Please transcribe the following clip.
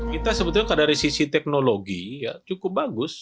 kita sebetulnya dari sisi teknologi cukup bagus